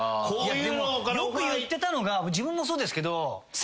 でもよく言ってたのが自分もそうですけど。